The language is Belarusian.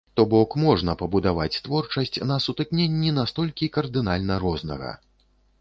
То бок можна пабудаваць творчасць на сутыкненні настолькі кардынальна рознага.